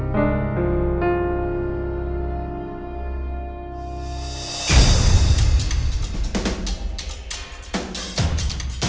malin jangan lupa